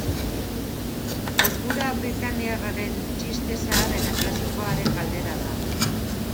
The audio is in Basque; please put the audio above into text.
Kultura britainiarraren txiste zahar eta klasikoaren galdera da.